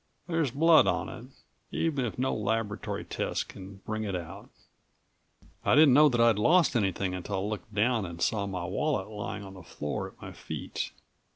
There's blood on it, even if no laboratory test can bring it out. I didn't know I'd lost anything until I looked down and saw my wallet lying on the floor at my feet.